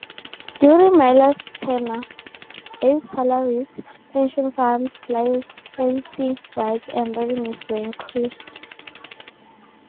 During Miller's tenure, base salaries, pension funds, licensing rights and revenues were increased.